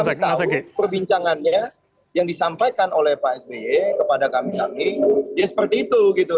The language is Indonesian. kami tahu perbincangannya yang disampaikan oleh pak sby kepada kami kami ya seperti itu gitu